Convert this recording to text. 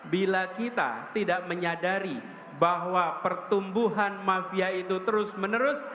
bila kita tidak menyadari bahwa pertumbuhan mafia itu terus menerus